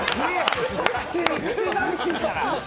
口さみしいから！